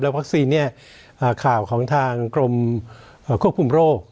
แล้วค่ะดังที่ฟักซีนนี้ข่าวของทางกรมควบคุมโรค